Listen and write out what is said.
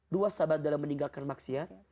dua sahabat dalam meninggalkan maksiat